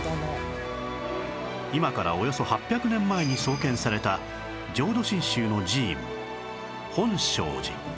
今からおよそ８００年前に創建された浄土真宗の寺院本證寺